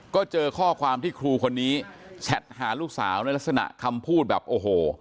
ก็เจอข้อความที่ครูคนนี้แชทหาลูกสาวในลักษณะคำพูดแบบโอ้โห